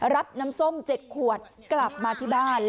รับน้ำส้ม๗ขวดกลับมาที่บ้าน